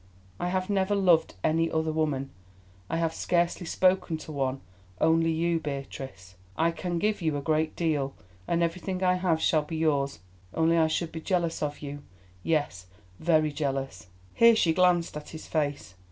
—I have never loved any other woman, I have scarcely spoken to one—only you, Beatrice. I can give you a great deal; and everything I have shall be yours, only I should be jealous of you—yes, very jealous!" Here she glanced at his face.